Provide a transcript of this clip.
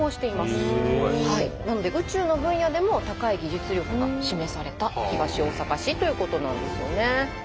すごい！なので宇宙の分野でも高い技術力が示された東大阪市ということなんですよね。